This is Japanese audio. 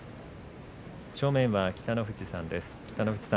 正面は北の富士さんです。